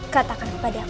katakan kepada aku